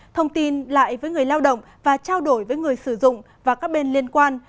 thông tin lại với người lao động và trao đổi với người sử dụng và các bên liên quan